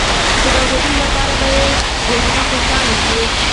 خو د اوریدلو لپاره به يې غوږونه خوشحاله شي.